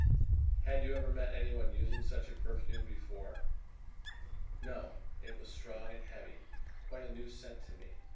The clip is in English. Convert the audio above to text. "Had you ever met anyone using such a perfume before?" "No. It was strong and heavy. Quite a new scent to me.